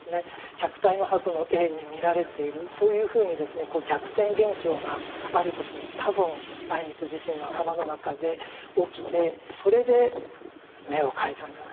客体のはずの絵に見られているそういうふうにですね逆転現象がある時多分靉光自身の頭の中で起きてそれで眼を描いたんじゃないのかな。